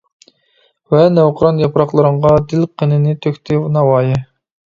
ۋە نەۋقىران ياپراقلىرىڭغا دىل قېنىنى تۆكتى ناۋايى.